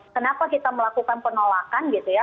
kenapa kita melakukan penolakan gitu ya